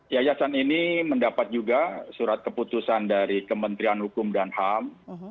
yayasan ini mendapat juga surat keputusan dari kementerian hukum dan ham